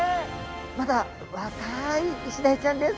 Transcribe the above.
まだ若いイシダイちゃんです。